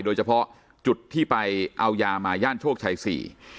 โดยเฉพาะจุดที่ไปเอายามาย่านโชคชัยสี่